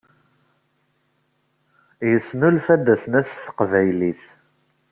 Yesnnulfad asnas s taqbaylit.